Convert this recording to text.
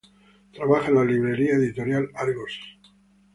Trabaja en la librería editorial Argos.